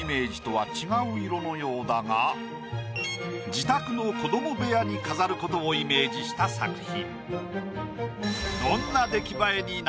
自宅の子ども部屋に飾ることをイメージした作品。